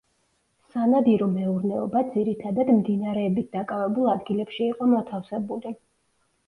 სანადირო მეურნეობა, ძირითადად, მდინარეებით დაკავებულ ადგილებში იყო მოთავსებული.